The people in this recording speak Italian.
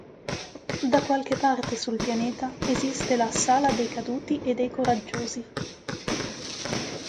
Da qualche parte sul pianeta esiste la "Sala dei caduti e dei coraggiosi".